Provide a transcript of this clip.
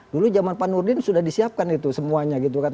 dulu zaman pak nurdin sudah disiapkan itu semuanya gitu kan